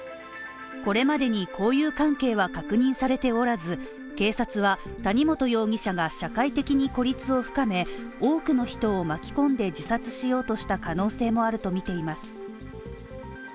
これまでに交友関係は確認されておらず、警察は谷本容疑者が社会的に孤立を深め、多くの人を巻き込んで自殺しようとした可能性もあるとみています。